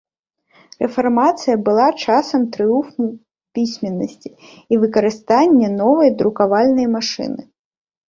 Рэфармацыя была часам трыумфу пісьменнасці і выкарыстанне новай друкавальнай машыны.